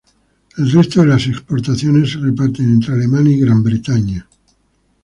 El resto de las exportaciones se reparten entre Alemania y Gran Bretaña.